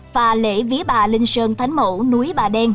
và lễ vía bà linh sơn thánh mẫu núi